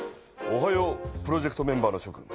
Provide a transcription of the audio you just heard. おはようプロジェクトメンバーのしょ君。